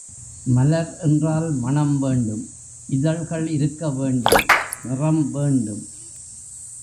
மலர் என்றால் மணம் வேண்டும் இதழ்கள் இருக்க வேண்டும் நிறம் வேண்டும்.